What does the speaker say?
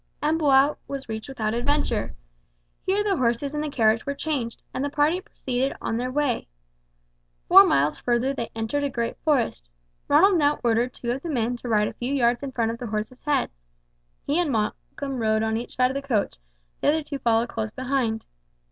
Amboise was reached without adventure. Here the horses in the carriage were changed, and the party proceeded on their way. Four miles further they entered a great forest. Ronald now ordered two of the men to ride a few yards in front of the horses' heads. He and Malcolm rode on each side of the coach, the other two followed close behind.